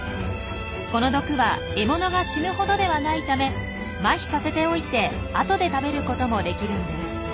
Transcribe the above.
この毒は獲物が死ぬほどではないためマヒさせておいて後で食べることもできるんです。